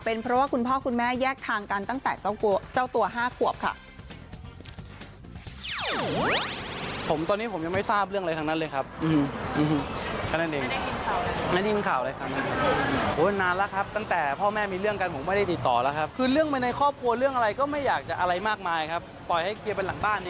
เป็นเพราะว่าคุณพ่อคุณแม่แยกทางกันตั้งแต่เจ้าตัว๕ขวบค่ะ